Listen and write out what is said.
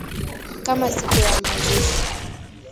kama siku ya mazishi